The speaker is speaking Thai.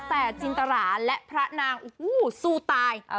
แต่จินตราและพระนางโอ้โหสู้ตาย